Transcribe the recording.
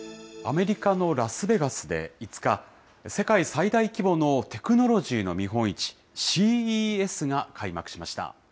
アメリカのラスベガスで５日、世界最大規模のテクノロジーの見本市、ＣＥＳが開幕しました。